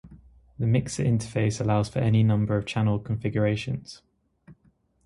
The mixer interface allows for any number of channel configurations.